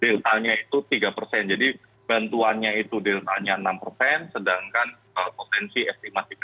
rp enam itu rp enam